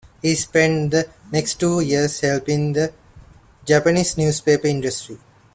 He spent the next two years helping the Japanese newspaper industry.